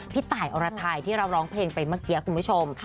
พี่ตายอรไทยที่เราร้องเพลงไปเมื่อกี้คุณผู้ชม